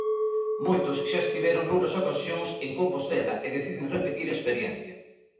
Moitos xa estiveron noutras ocasións en Compostela e deciden repetir experiencia.